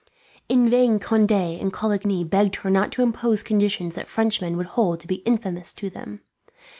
In vain Conde and Coligny begged her not to impose conditions that Frenchmen would hold to be infamous to them.